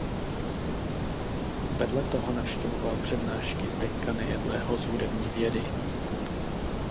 Vedle toho navštěvoval přednášky Zdeňka Nejedlého z hudební vědy.